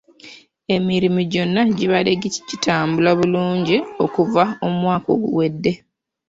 Emirimu gyonna gibadde gitambula bulungi okuva omwaka oguwedde.